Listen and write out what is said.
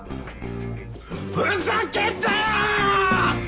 ふざけんなよ‼